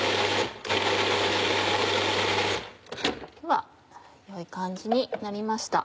では良い感じになりました。